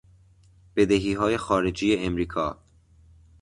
بدهیهای خارجی امریکا